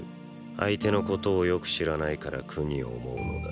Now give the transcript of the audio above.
相手のことをよく知らないから苦に思うのだ。